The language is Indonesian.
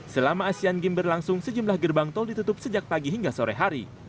selama asean games berlangsung sejumlah gerbang tol ditutup sejak pagi hingga sore hari